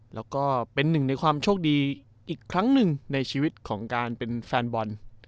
แล้วก็เป็นหนึ่งในความโชคดีอีกครั้งหนึ่งในชีวิตของการเป็นแฟนบอล